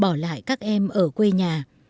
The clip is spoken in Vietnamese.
bỏ lại các em ở quê nhà